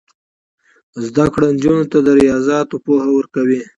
زده کړه نجونو ته د ریاضیاتو پوهه ورکوي.